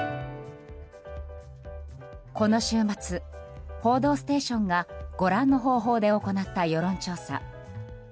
この週末「報道ステーション」がご覧の方法で行った世論調査。